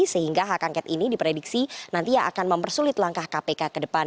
sehingga hak angket ini diprediksi nanti akan mempersulit langkah kpk ke depan